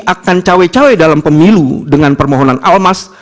akan cawe cawe dalam pemilu dengan permohonan almas